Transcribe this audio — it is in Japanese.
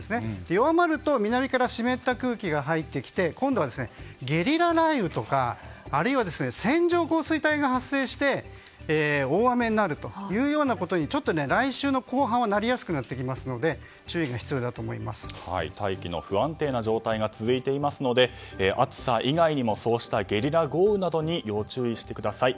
弱まると南から湿った空気が入ってきて今度はゲリラ雷雨とかあるいは線状降水帯が発生して大雨になるというようなことに来週の後半はなりやすくなってきますので大気の不安定な状態が続いていますので暑さ以外にもそうしたゲリラ豪雨などに要注意してください。